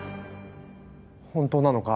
本当なのか？